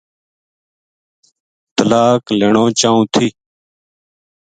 طلاق لینو چاہوں تھی